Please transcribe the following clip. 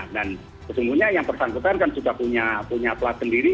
dan sesungguhnya yang persangkutan kan sudah punya plat sendiri